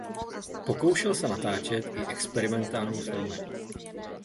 Pokoušel se natáčet i experimentální filmy.